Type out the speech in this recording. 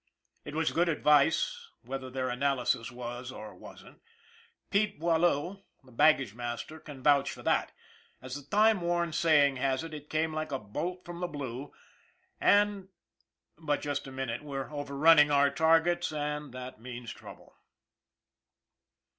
It was good advice, whether their analysis was or wasn't Pete Boileau, the baggage master, can vouch for that. As the time worn saying has it, it came like a bolt from the blue, and but just a minute, we're overrunning our targets and that means trouble.